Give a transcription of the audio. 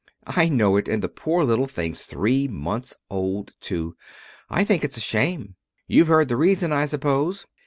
"I know it and the poor little things three months old, too! I think it's a shame. You've heard the reason, I suppose.